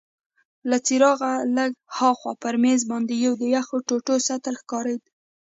له څراغه لږ هاخوا پر مېز باندي یو د یخو ټوټو سطل ښکارید.